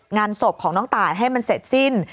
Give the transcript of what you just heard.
งานศพของน้องตายให้มันเสร็จสิ้น